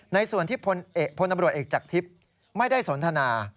ในส่วนที่พลตำรวจเอกจากทิพย์ไม่ได้สนทนา